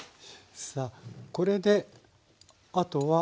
さあこれで後は。